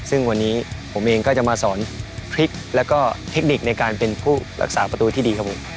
ซึ่งวันนี้ผมเองก็จะมาสอนพลิกแล้วก็เทคนิคในการเป็นผู้รักษาประตูที่ดีครับผม